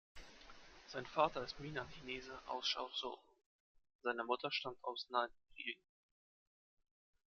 Sein Vater ist Minnan-Chinese aus Chaozhou, seine Mutter stammt aus Nanjing.